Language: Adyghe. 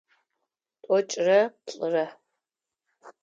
T'oç'ıre plh'ıre.